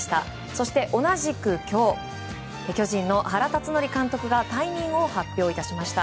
そして、同じく今日巨人の原辰徳監督が退任を発表しました。